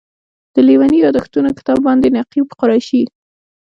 د لېوني یادښتونو کتاب باندې نقیب قریشي.